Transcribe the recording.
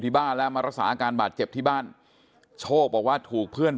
บ้านแล้วมารักษาอาการบาดเจ็บที่บ้านโชคบอกว่าถูกเพื่อน